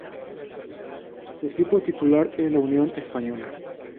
Su equipo titular es la Unión Española.